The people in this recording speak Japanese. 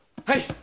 はい。